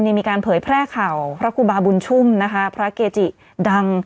มีการเผยแพร่ข่าวพระครูบาบุญชุ่มนะคะพระเกจิดัง